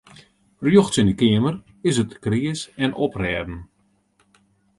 Rjochts yn de keamer is it kreas en oprêden.